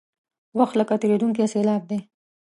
وخت لکه تېرېدونکې سیلاب دی.